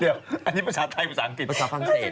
อันนี้ภาษาไทยภาษาอังกฤษภาษาฝรั่งเศส